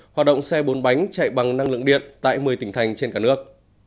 hoạt động xe bốn bánh chạy bằng năng lượng điện tại một mươi tỉnh thành trên cả nước